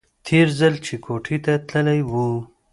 تېر ځل چې کوټې ته تللى و.